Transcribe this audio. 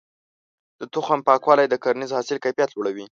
د تخم پاکوالی د کرنیز حاصل کيفيت لوړوي.